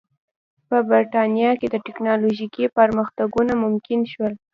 په برېټانیا کې ټکنالوژیکي پرمختګونه ممکن شول.